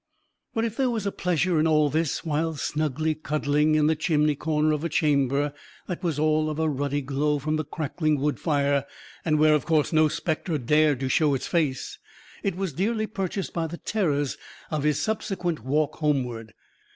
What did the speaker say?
But if there was a pleasure in all this, while snugly cuddling in the chimney corner of a chamber that was all of a ruddy glow from the crackling wood fire, and where, of course, no specter dared to show its face, it was dearly purchased by the terrors of his subsequent walk homeward.